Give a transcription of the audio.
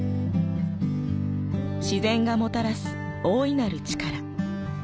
自然がもたらす大いなる力。